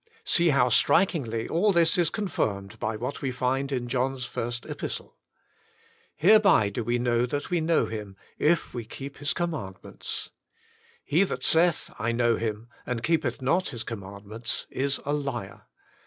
See how strikingly all this is confirmed by what we find in John's first epistle. "Hereby do we know that we know Him, if We Keep His commandments. He that saith, I 58 The Inner Chamber know Him, and Keepeth not His command ments, is a liar.